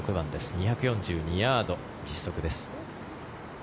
２４２ヤード、実測です。